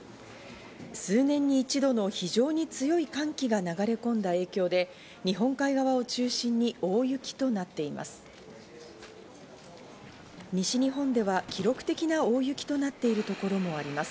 数年に一度の非常に強い寒気が流れ込んだ影響で日本海側を中心に大雪となっています。